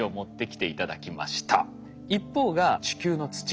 一方が地球の土。